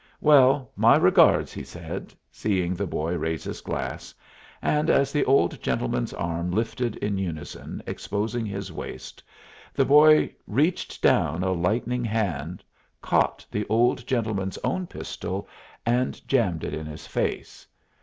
"Well, my regards," he said, seeing the boy raise his glass; and as the old gentleman's arm lifted in unison, exposing his waist, the boy reached down a lightning hand, caught the old gentleman's own pistol, and jammed it in his face.